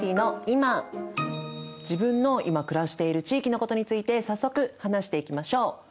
自分のいま暮らしている地域のことについて早速話していきましょう。